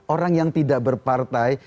orang yang tidak berpartai